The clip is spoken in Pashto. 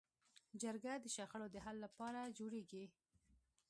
جرګه د شخړو د حل لپاره جوړېږي